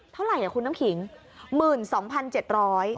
เท่าไหร่อ่ะคุณน้ำขิง๑๒๗๐๐บาท